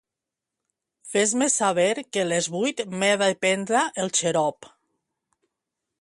Fes-me saber que les vuit m'he de prendre el xarop.